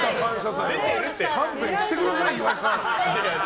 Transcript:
勘弁してください、岩井さん。